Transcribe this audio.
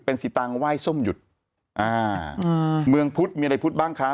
เป็นสิตางไหว้ส้มหยุดอ่าอืมเมืองพุทธมีอะไรพุทธบ้างคะ